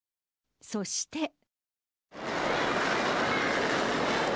そして。